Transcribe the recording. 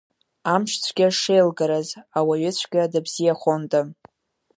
Амш цәгьа шеилгарыз, ауаҩыцәгьа дыбзиахонда.